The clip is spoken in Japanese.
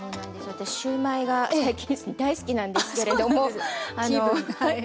私シューマイが最近大好きなんですけれども。